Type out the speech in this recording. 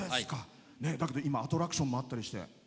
今、アトラクションもあったりして。